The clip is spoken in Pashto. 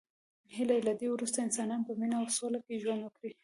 هیله ده له دی وروسته انسانان په مینه او سوله کې ژوند وکړي.